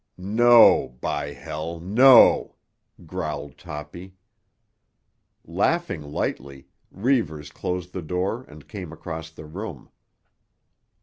"No, by ——, no!" growled Toppy. Laughing lightly, Reivers closed the door and came across the room.